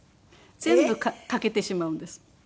全部欠けてしまうんです。